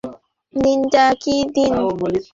আজকের দিনটা কি দিন?